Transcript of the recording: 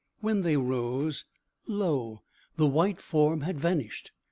When they rose, lo, the white form had vanished!